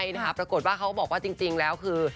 ใช่นะคะปรากฏว่าเขาก็บอกว่าจริงแล้วคือ